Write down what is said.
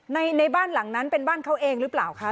ในบ้านหลังนั้นเป็นบ้านเขาเองหรือเปล่าคะ